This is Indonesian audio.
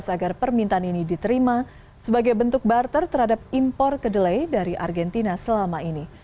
agar permintaan ini diterima sebagai bentuk barter terhadap impor kedelai dari argentina selama ini